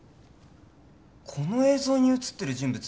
この映像に写ってる人物